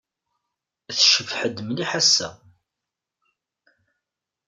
Tcebḥed mliḥ ass-a.